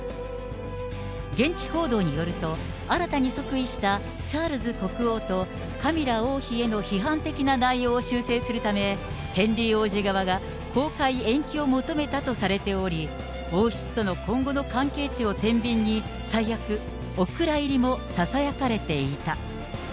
現地報道によると、新たに即位したチャールズ国王とカミラ王妃への批判的な内容を修正するため、ヘンリー王子側が公開延期を求めたとされており、王室との今後の関係維持をてんびんに、最悪、お蔵入りもささやかれていた。